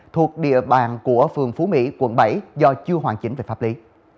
thuộc địa bàn của phường phú mỹ quận bảy do chưa hoàn chỉnh về pháp lý